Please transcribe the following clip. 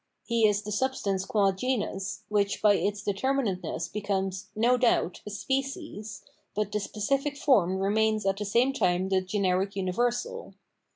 He is the substance qua genus, which by its determinateness becomes, no doubt, a species, but the specific form remains at the same time the generic universal.